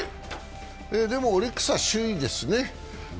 オリックスは首位ですね。